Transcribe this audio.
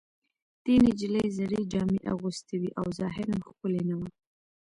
دې نجلۍ زړې جامې اغوستې وې او ظاهراً ښکلې نه وه